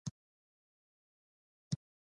الوتکه له باران سره مقابله کوي.